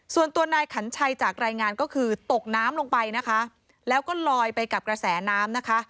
ส่วนตัวนายขัญชัยจากรายงานก็คือตกน้ำลงไปนะคะแล้วก็ลอยไปกับกระแสน้ำนะคะ